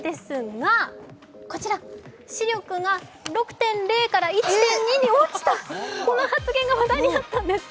こちら、視力が６．０から１．２に落ちた、この発言が話題になったんです。